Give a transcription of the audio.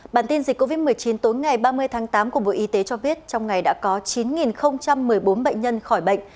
bản tin dịch covid một mươi chín tối ngày ba mươi tháng tám của bộ y tế cho biết trong ngày đã có chín một mươi bốn bệnh nhân khỏi bệnh